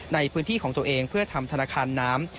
ในพื้นที่ของตัวเองเพื่อทำธนาคารน้ำ